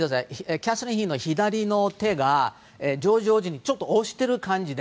キャサリン妃の左手がジョージ王子をちょっと押している感じで。